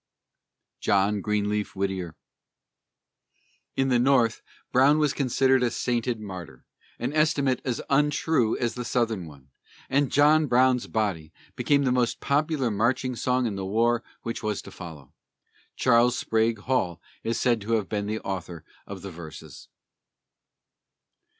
JOHN GREENLEAF WHITTIER. In the North, Brown was considered a sainted martyr an estimate as untrue as the Southern one and "John Brown's Body" became the most popular marching song in the war which was to follow. Charles Sprague Hall is said to have been the author of the verses.